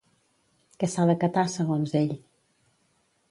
Què s'ha d'acatar, segons ell?